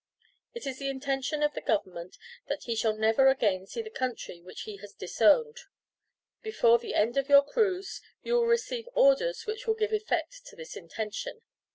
It is the intention of the Government that he shall never again see the country which he has disowned. Before the end of your cruise you will receive orders which will give effect to this intention.